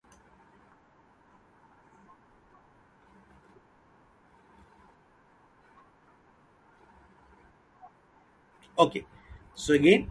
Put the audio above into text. In this film, she appears as a brunette who dyes her hair blonde.